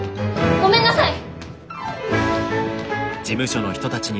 ごめんなさい！